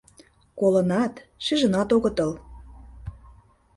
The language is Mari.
Колынат, шижынат огытыл.